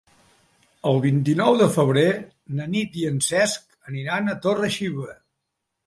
El vint-i-nou de febrer na Nit i en Cesc aniran a Torre-xiva.